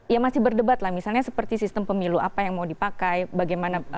ya masih berdebat lah misalnya seperti sistem pemilu apa yang mau dipakai bagaimana